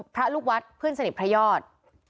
พระลูกวัดเพื่อนสนิทพระยอด